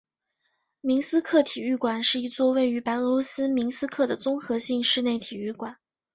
明斯克体育馆是一座位于白俄罗斯明斯克的综合性室内体育馆。